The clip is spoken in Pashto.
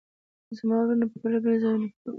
زما وروڼه په بیلابیلو ځایونو کې دي